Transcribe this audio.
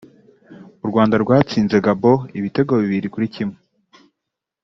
u Rwanda rwatsinze Gabon ibitego bibiri kuri kimwe